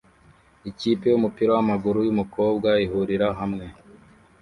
Ikipe yumupira wamaguru yumukobwa ihurira hamwe